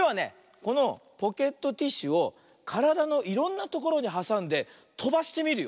このポケットティッシュをからだのいろんなところにはさんでとばしてみるよ。